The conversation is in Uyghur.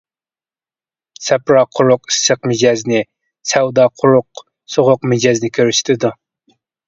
سەپرا قۇرۇق ئىسسىق مىجەزنى، سەۋدا قۇرۇق سوغۇق مىجەزنى كۆرسىتىدۇ.